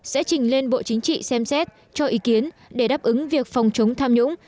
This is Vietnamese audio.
sẽ trình lên bộ chính trị xem xét cho ý kiến để đáp ứng việc phòng chống tham nhũng